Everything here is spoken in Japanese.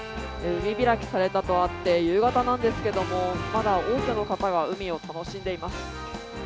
海開きされたとあって夕方なんですけども、まだ多くの方が海を楽しんでいます。